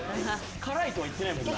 辛いとは言ってないもんな。